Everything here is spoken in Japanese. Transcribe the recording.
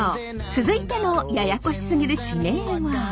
続いてのややこしすぎる地名は？